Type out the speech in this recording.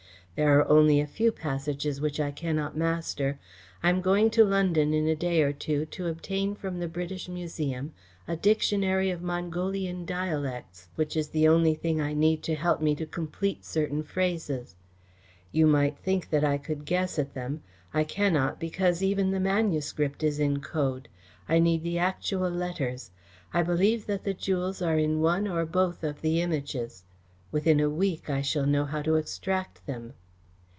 There are only a few passages which I cannot master. I am going to London in a day or two to obtain from the British Museum a dictionary of Mongolian dialects, which is the only thing I need to help me to complete certain phrases. You might think that I could guess at them. I cannot, because even the manuscript is in code. I need the actual letters. I believe that the jewels are in one or both of the Images. Within a week I shall know how to extract them."